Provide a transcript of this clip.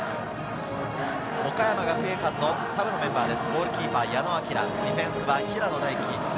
岡山学芸館のサブのメンバーです。